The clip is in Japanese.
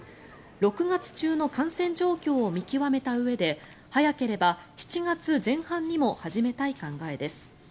６月中の感染状況を見極めたうえで早ければ７月前半にも始めたい考えです。